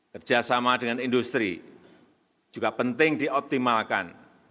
kerja sama dengan industri juga penting dioptimalkan